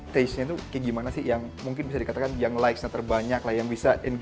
taste nya itu kayak gimana sih yang mungkin bisa dikatakan yang likesnya terbanyak lah yang bisa engin